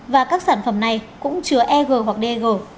và các sản phẩm này cũng chứa eg hoặc dg